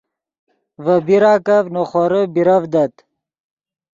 ڤے پیراکف نے خورے بیرڤدت